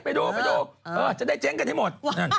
ไปดูไปดูจะได้เจ๊งกันให้หมด